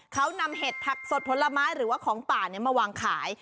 เขานำเห็ดผักสดผลไม้หรือว่าของป่ามาวางขาย